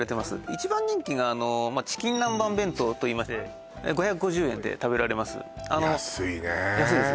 一番人気がチキンナンバン弁当といいまして５５０円で食べられます安いね安いです